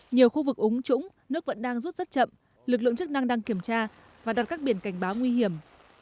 nhiều khu vực úng trũng nước vẫn đang rút rất chậm lực lượng chức năng đang kiểm tra và đặt các biển cảnh báo nguy hiểm